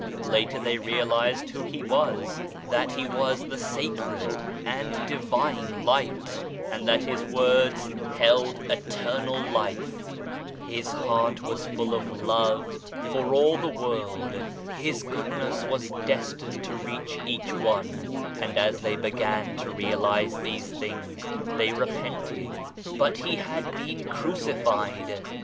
Later they realized who He was ; that He was the Sacred and Divine Light, and that His words held Eternal Life. io8 SMALLNESS OF OUR NUMBERS His heart was full of love for all the world, ttis good ness was destined to reach each one and as they began to realize these things, they repented but He had been crucified